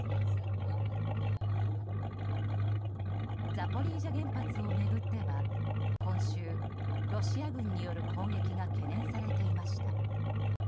ザポリージャ原発を巡っては今週、ロシア軍による攻撃が懸念されていました。